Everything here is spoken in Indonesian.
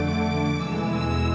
nanti kita berdua bisa berdua